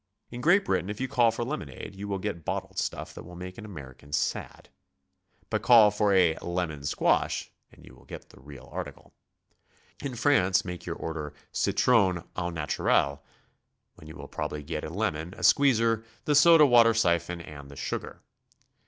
In Great Britain if you call for lemonade, you will get bottled stuff 'that will make an American sad. But call for a "lemon squash" and you will get the real article. In France make your order "citron au naturel," when you will probably get a lemon, a squeezer, the soda water siphon, and the sugar.